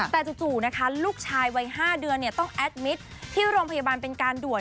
แต่จู่นะคะลูกชายวัย๕เดือนต้องแอดมิตรที่โรงพยาบาลเป็นการด่วน